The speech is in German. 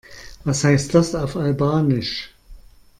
Was heißt das auf Albanisch?